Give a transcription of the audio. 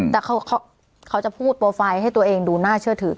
แต่เขาจะพูดโปรไฟล์ให้ตัวเองดูน่าเชื่อถือ